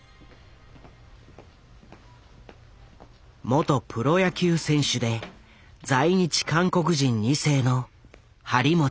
元プロ野球選手で在日韓国人二世の張本勲。